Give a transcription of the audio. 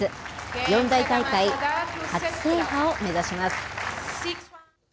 四大大会初制覇を目指します。